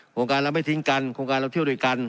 การเราไม่ทิ้งกันโครงการเราเที่ยวด้วยกัน